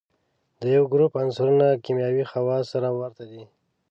د یوه ګروپ عنصرونه کیمیاوي خواص سره ورته دي.